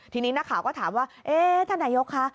ทีนี้หน้าข่าวก็ถามว่าท่านนายยกค่ะ